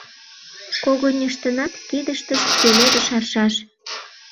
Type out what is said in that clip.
Когыньыштынат кидыштышт пеледыш аршаш.